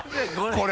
これ。